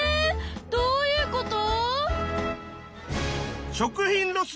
どういうこと？